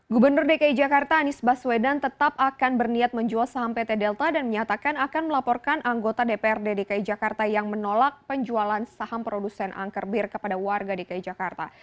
gubernur dki jakarta anies baswedan tetap akan berniat menjual saham pt delta dan menyatakan akan melaporkan anggota dprd dki jakarta yang menolak penjualan saham produsen angker bir kepada warga dki jakarta